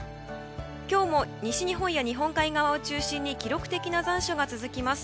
今日も西日本や日本海側を中心に記録的な残暑が続きます。